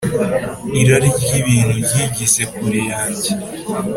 irari ry’ibintu uryigize kure yanjye.